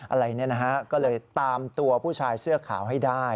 อะไรเนี่ยนะฮะก็เลยตามตัวผู้ชายเสื้อขาวให้ได้